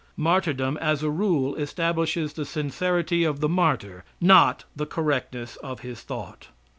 Martyrdom as a rule establishes the sincerity of the martyr, not the correctness of his thought.